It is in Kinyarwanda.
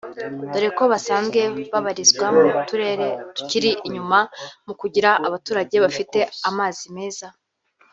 dore ko basanzwe babarizwa mu turere tukiri inyuma mu kugira abaturage bafite amazi meza